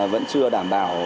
vẫn chưa đảm bảo